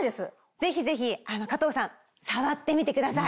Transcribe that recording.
ぜひぜひ加藤さん触ってみてください。